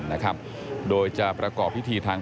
พบหน้าลูกแบบเป็นร่างไร้วิญญาณ